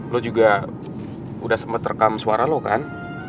lo juga udah sempat rekam suara lo kan